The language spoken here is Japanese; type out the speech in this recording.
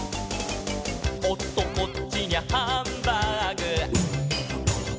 「おっとこっちにゃハンバーグ」